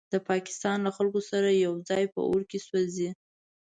د پاکستان له خلکو سره یوځای په اور کې سوځي.